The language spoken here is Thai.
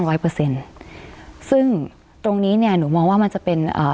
เปอร์เซ็นต์ซึ่งตรงเนี้ยหนูมองว่ามันจะเป็นอ่า